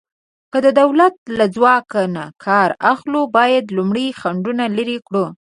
که د دولت له ځواک نه کار اخلو، باید لومړی خنډونه لرې کړو.